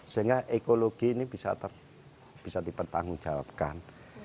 sehingga ekologi ini bisa dipertanggungjawabkan